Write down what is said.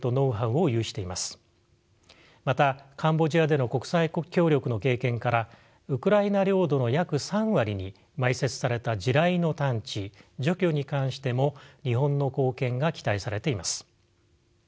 またカンボジアでの国際協力の経験からウクライナ領土の約３割に埋設された地雷の探知除去に関しても日本の貢献が期待されています。